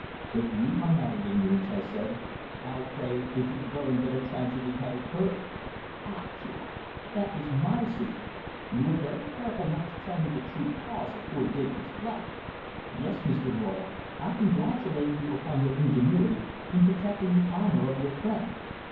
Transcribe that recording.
"But you are not in ignorance," I said. "How, pray, did you learn that a tragedy had occurred?" "Ah!" she laughed. "That is my secret. You were very careful not to tell me the true cause of poor Digby's flight. Yes, Mr. Royle, I congratulate you upon your ingenuity in protecting the honour of your friend.